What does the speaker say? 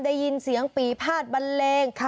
ได้ยินเสียงปีพาดบันเลง